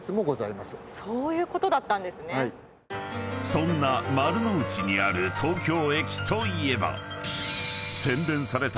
［そんな丸の内にある東京駅といえば］